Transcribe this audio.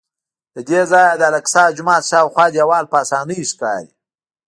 له دې ځایه د الاقصی جومات شاوخوا دیوال په اسانۍ ښکاري.